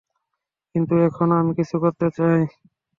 কিন্তু এখন আমি কিছু করতে চাই।